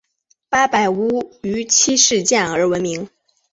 八百屋于七事件而闻名。